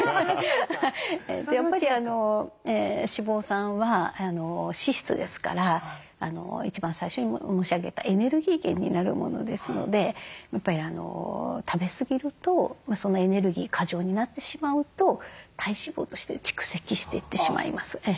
やっぱり脂肪酸は脂質ですから一番最初に申し上げたエネルギー源になるものですのでやっぱり食べすぎるとエネルギー過剰になってしまうと体脂肪として蓄積していってしまいます。